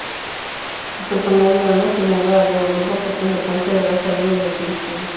Su personaje, Dana, se muda a Europa por consecuencia de la salida de Kristin.